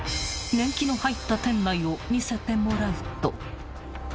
［年季の入った店内を見せてもらうと］